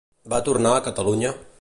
Va tornar a Catalunya?